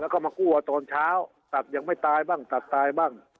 แล้วก็มากู้เอาตอนเช้าตัดยังไม่ตายบ้างตัดตายบ้าง